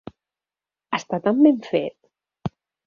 Està tan ben fet!